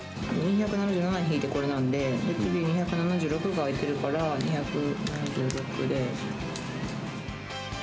２７７引いてこれなんで、次、２７６が空いてるから、２７６で。